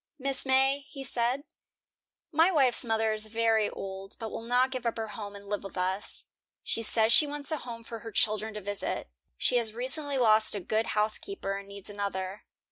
"Mrs. May," he said, "my wife's mother is very old, but will not give up her home and live with us. She says she wants a home for her children to visit. She has recently lost a good housekeeper, and needs another.